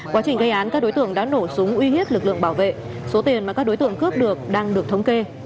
quá trình gây án các đối tượng đã nổ súng uy hiếp lực lượng bảo vệ số tiền mà các đối tượng cướp được đang được thống kê